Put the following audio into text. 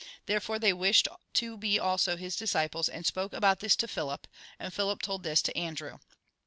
Therefore they wished to be also his disciples, and spoke about this to Phihp. And Philip told this to Andrew.